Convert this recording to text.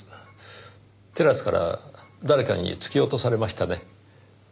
テラスから誰かに突き落とされましたね？